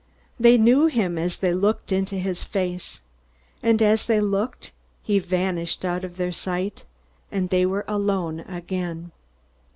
They knew him as they looked into his face. And as they looked, he vanished out of their sight, and they were alone again.